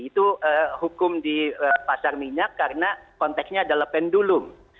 itu hukum di pasar minyak karena konteksnya adalah pendulum